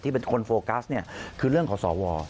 ที่เป็นคนโฟ๊กัสคือเรื่องของสหว